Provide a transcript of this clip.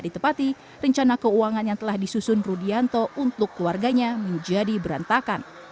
ditepati rencana keuangan yang telah disusun rudianto untuk keluarganya menjadi berantakan